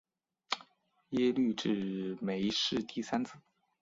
耶律只没是第三子。